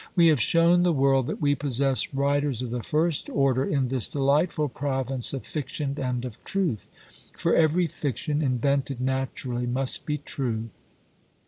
We have shown the world that we possess writers of the first order in this delightful province of Fiction and of Truth; for every Fiction invented naturally, must be true.